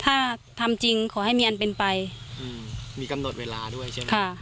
ถ้าทำจริงขอให้มีอันเป็นไปอืมมีกำหนดเวลาด้วยใช่ไหมค่ะ